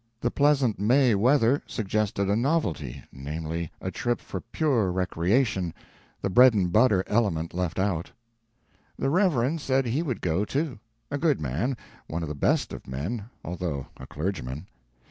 The pleasant May weather suggested a novelty namely, a trip for pure recreation, the bread and butter element left out. The Reverend said he would go, too; a good man, one of the best of men, although a clergyman.